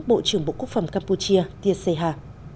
bộ quốc phòng campuchia tia seha